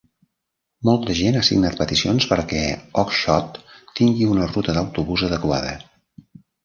Molta gent ha signat peticions perquè Oxshott tingui una ruta d'autobús adequada.